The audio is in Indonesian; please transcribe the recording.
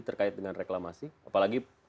terkait dengan reklamasi apalagi